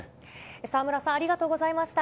澤村さん、ありがとうございました。